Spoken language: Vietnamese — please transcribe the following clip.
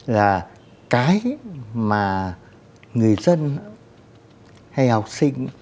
là cái mà người dân hay học sinh